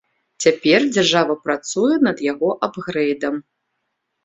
Цяпер дзяржава працуе над яго абгрэйдам.